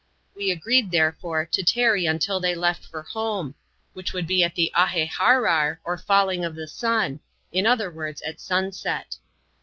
We ngreed, therefore, to tarry until they left for home ; which would be at the " Aheharar," or Falling of the Sun ; in other words, at sunset.